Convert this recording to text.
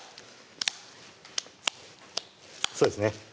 そうですね